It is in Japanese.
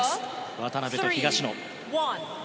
渡辺と東野。